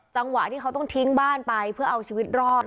จังหวะที่เขาต้องทิ้งบ้านไปเพื่อเอาชีวิตรอด